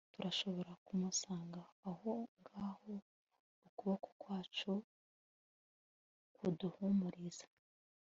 turashobora kumusanga aho ngaho ukuboko kwacu kuduhumuriza